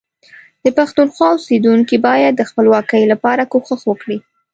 د پښتونخوا اوسیدونکي باید د خپلواکۍ لپاره کوښښ وکړي